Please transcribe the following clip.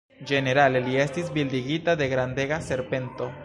Ĝenerale li estis bildigita de grandega serpento.